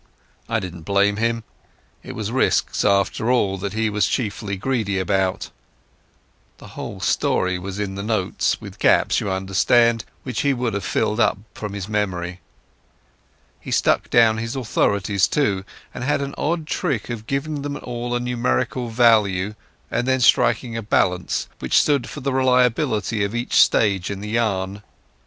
I didn't blame him. It was risks after all that he was chiefly greedy about. The whole story was in the notes—with gaps, you understand, which he would have filled up from his memory. He stuck down his authorities, too, and had an odd trick of giving them all a numerical value and then striking a balance, which stood for the reliability of each stage in the yarn.